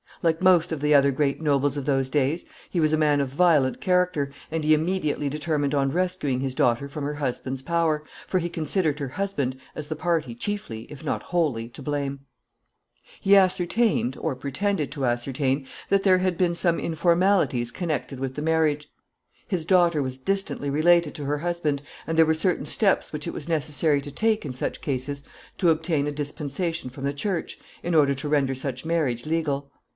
Like most of the other great nobles of those days, he was a man of violent character, and he immediately determined on rescuing his daughter from her husband's power, for he considered her husband as the party chiefly, if not wholly, to blame. [Sidenote: Her marriage dissolved.] [Sidenote: Pretext.] [Sidenote: Her marriage annulled.] He ascertained, or pretended to ascertain, that there had been some informalities connected with the marriage. His daughter was distantly related to her husband, and there were certain steps which it was necessary to take in such cases to obtain a dispensation from the Church, in order to render such marriage legal.